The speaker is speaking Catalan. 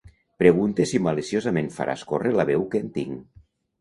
Pregunte si maliciosament faràs córrer la veu que en tinc.